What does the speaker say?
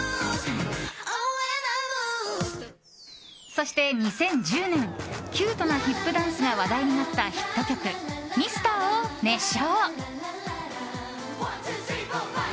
そして２０１０年キュートなヒップダンスが話題となったヒット曲「ミスター」を熱唱。